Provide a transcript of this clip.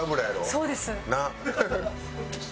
そうです。